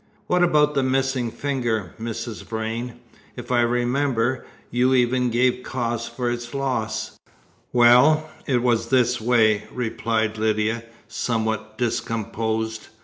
"What about the missing finger, Mrs. Vrain? If I remember, you even gave a cause for its loss." "Well, it was this way," replied Lydia, somewhat discomposed.